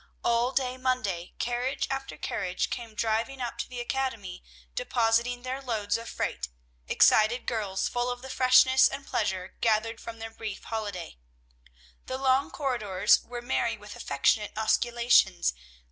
All day Monday, carriage after carriage came driving up to the academy, depositing their loads of freight, excited girls full of the freshness and pleasure gathered from their brief holiday. The long corridors were merry with affectionate osculations.